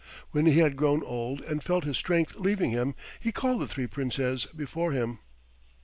When he had grown old and felt his strength leaving him, he called the three Princes before him.